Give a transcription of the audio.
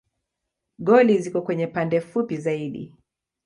Goli ziko kwenye pande fupi zaidi.